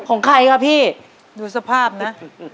ของใครคะพี่ดูสภาพนะ